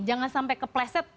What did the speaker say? jangan sampai kepleset